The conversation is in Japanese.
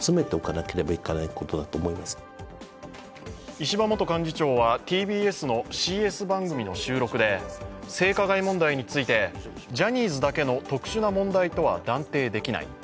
石破元幹事長はＴＢＳのＣＳ番組の収録で性加害問題について、ジャニーズだけの特殊な問題とは断定できない。